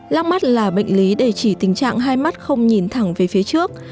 lác mắt là bệnh lý để chỉ tình trạng hai mắt không nhìn thẳng về phía trước